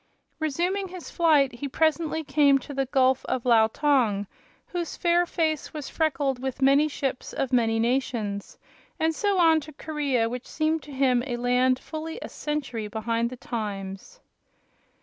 Resuming his flight he presently came to the gulf of Laou Tong, whose fair face was freckled with many ships of many nations, and so on to Korea, which seemed to him a land fully a century behind the times.